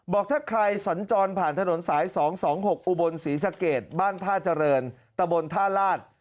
บอกถ้าใครสัญจรผ่านถนนสาย๒๒๖อุบลศรีสะเกดบ้านท่าเจริญตะบนท่าลาศ